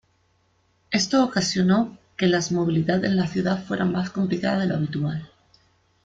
Esto ocasiono que las movilidad en la ciudad fuera más complicada de lo habitual.